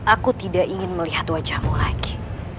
aku tidak ingin melihat wajahmu lagi